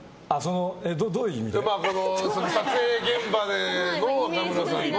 撮影現場での若村さんの。